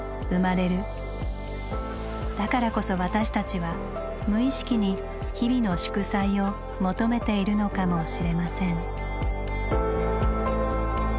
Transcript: だからこそ私たちは無意識に「日々の祝祭」を求めているのかもしれません。